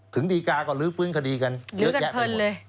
ถึงดีกาก็ลื้อฟื้นคดีกันเยอะแยะไปหมดเลย